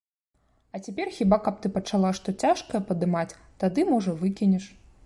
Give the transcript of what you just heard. А цяпер, хіба каб ты пачала што цяжкае падымаць, тады, можа, выкінеш.